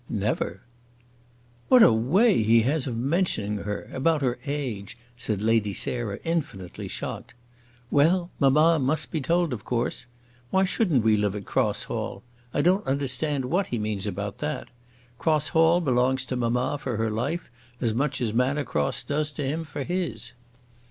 "Never." "What a way he has of mentioning her; about her age," said Lady Sarah, infinitely shocked. "Well! Mamma must be told, of course. Why shouldn't we live at Cross Hall? I don't understand what he means about that. Cross Hall belongs to mamma for her life, as much as Manor Cross does to him for his."